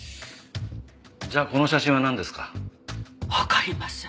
じゃあこの写真はなんですか？